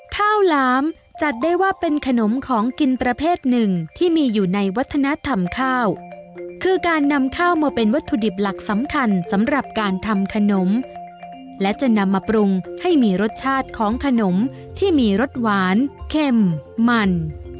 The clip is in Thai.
ข้าวหลามจัดได้ว่าเป็นขนมของกินประเภทหนึ่งที่มีอยู่ในวัฒนธรรมข้าวคือการนำข้าวมาเป็นวัตถุดิบหลักสำคัญสำหรับการทำขนมและจะนำมาปรุงให้มีรสชาติของขนมที่มีรสหวานเข็มมัน